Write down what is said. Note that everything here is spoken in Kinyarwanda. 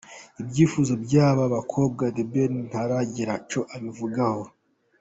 Ibyifuzo by’aba bakobwa The Ben ntaragira icyo abivugaho.